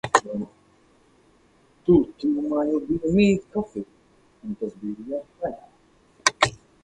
Tur tuvumā jau bija MiiT Coffee, un tas bija vaļā.